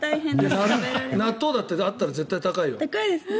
納豆だってあったら絶対高いよ。